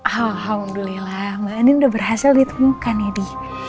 alhamdulillah bu andin udah berhasil ditemukan ya di